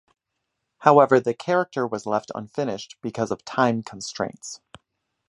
However, the character was left unfinished because of time constraints.